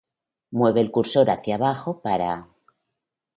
Mueve el cursor hacia abajo para